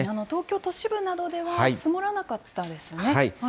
東京都市部などでは、積もらなかったんですね。